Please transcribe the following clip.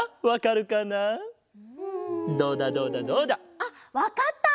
あっわかった！